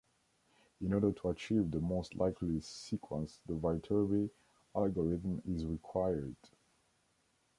In order to achieve the most likely sequence, the Viterbi algorithm is required.